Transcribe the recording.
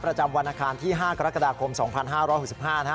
ประจำวันอาคารที่ห้ากรกฎาคมสองพันห้าร้อยหกสิบห้าน่ะ